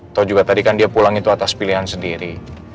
atau juga tadi kan dia pulang itu atas pilihan sendiri